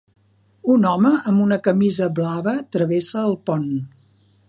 Un home amb una camisa blava travessa el pont